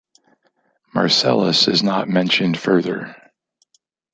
Marcellus is not mentioned further.